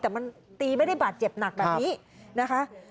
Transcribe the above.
แต่มันตีไม่ได้บาดเจ็บหนักแบบนี้นะคะ